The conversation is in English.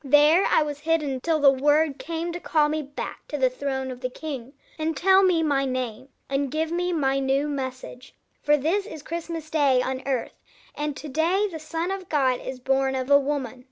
There I was hidden till the word came to call me back to the throne of the King, and tell me my name, and give me my new message. For this is Christmas day on Earth, and to day the Son of God is born of a woman.